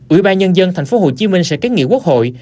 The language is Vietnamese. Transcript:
ủy ban nhân dân tp hcm sẽ kiến nghị quốc hội